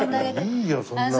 いいよそんな事。